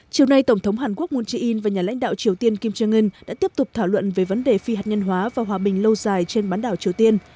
chiều nay tổng thống hàn quốc moon jae in và nhà lãnh đạo triều tiên kim jong un đã tiếp tục thảo luận về vấn đề phi hạt nhân hóa và hòa bình lâu dài trên bán đảo triều tiên